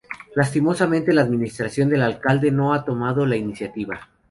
Lastimosamente la administración del alcalde no ha tomado la iniciativa.